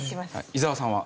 伊沢さんは？